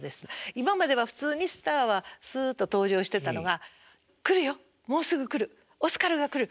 今までは普通にスターはスッと登場してたのが「来るよもうすぐ来るオスカルが来る。